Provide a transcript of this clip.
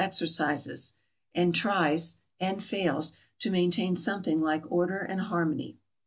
exercises, and tries (and fails) ASIA 327 to maintain something like order and harmony.